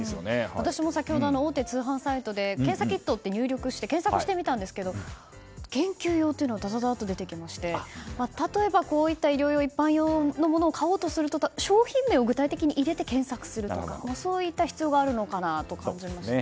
私も先ほど大手通販サイトで検査キットと入力して検索してみたんですが研究用っていうのはダダダーっと出てきまして例えば、こういった医療用や一般用のものを買おうとしたら商品名を具体的に入れて検索するとかそういった必要があるのかなと感じました。